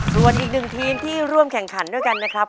ส่วนอีกหนึ่งทีมที่ร่วมแข่งขันด้วยกันนะครับ